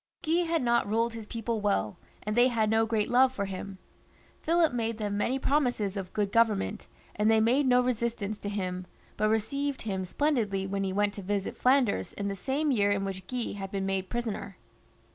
Guy had not ruled his people well, and they had no great love for him. Philip made them many promises of good government, and they made no resistance to him, but *WB(l»E^F»P^IiPi*i"^i^HWi»W[IW XXI.] PHILIP IV, {LE BEL), 135 received him splendidly when he went* to visit Flanders in the same ^ year in which Guy had been made prisoner.